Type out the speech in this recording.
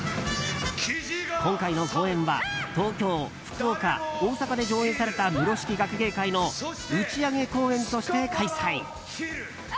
今回の公演は東京、福岡、大阪で上演された「ｍｕｒｏ式．がくげいかい」の打ち上げ公演として開催。